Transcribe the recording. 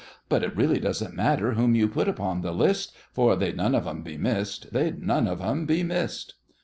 But it really doesn't matter whom you put upon the list, For they'd none of 'em be missed—they'd none of 'em be missed!